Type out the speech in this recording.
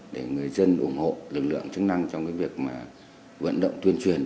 để người dân ủng hộ lực lượng chức năng trong việc vận động tuyên truyền